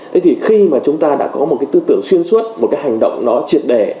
thế thì khi mà chúng ta đã có một cái tư tưởng xuyên suốt một cái hành động nó triệt đề